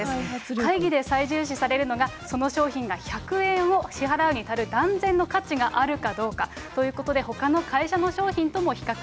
会議で最重視されるのはその商品が１００円を支払うに足るだんぜんの価値があるかどうか、ということで、ほかの会社の商品とも比